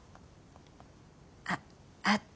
あっあった。